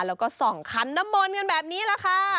แล้วก็ส่องคันน้ำมนต์กันแบบนี้แหละค่ะ